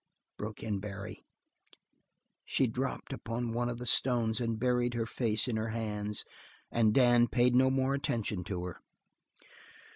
broke in Barry. She dropped upon one of the stones and buried her face in her hands and Dan paid no more attention to her.